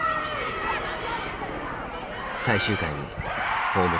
最終回にホームラン。